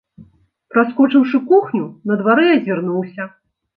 Праскочыўшы кухню, на двары азірнуўся.